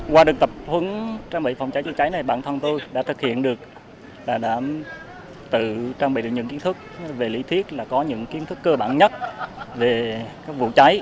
qua được tập huấn trang bị phòng cháy chữa cháy này bản thân tôi đã thực hiện được là đã tự trang bị được những kiến thức về lý thuyết là có những kiến thức cơ bản nhất về các vụ cháy